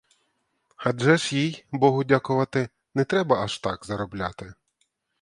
Адже ж їй, богу дякувати, не треба аж так заробляти.